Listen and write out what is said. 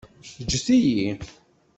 Ǧǧet-iyi.